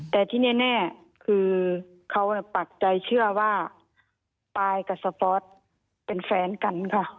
แต่ที่แน่คือเขาปักใจเชื่อว่าปายกับสปอร์ตเป็นแฟนกันค่ะ